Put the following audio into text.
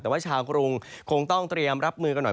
แต่ว่าชาวกรุงคงต้องเตรียมรับมือกันหน่อย